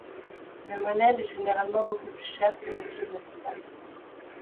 Le monel est généralement beaucoup plus cher que l'acier inoxydable.